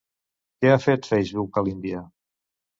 Què ha fet Facebook a l'Índia?